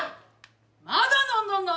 まだ飲んどんの？